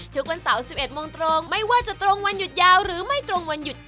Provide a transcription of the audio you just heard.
ทุกวันเสาร์๑๑โมงตรงไม่ว่าจะตรงวันหยุดยาวหรือไม่ตรงวันหยุด